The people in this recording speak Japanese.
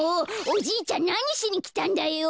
おじいちゃんなにしにきたんだよ。